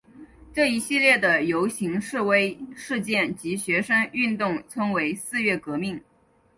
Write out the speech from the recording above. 这一系列的游行示威事件及学生运动称为四月革命。